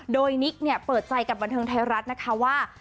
โดยนิกเนี่ยเปิดใจกับบันเทิงไทยรัฐนะคะว่า